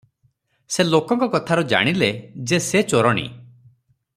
ସେ ଲୋକଙ୍କ କଥାରୁ ଜାଣିଲେ ଯେ ସେ ଚୋରଣୀ ।